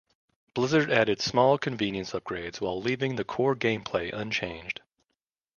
Blizzard added small convenience upgrades while leaving the core gameplay unchanged.